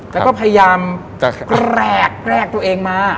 แล้วก็พยายามจะแกรกตัวเองมา